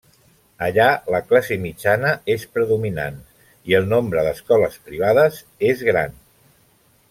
Allà la classe mitjana és predominant i el nombre d'escoles privades és gran.